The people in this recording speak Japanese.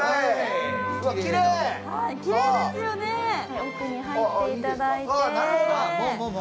きれいですよね、奥に入っていただいて。